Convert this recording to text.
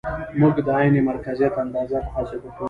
موږ د عین مرکزیت اندازه محاسبه کوو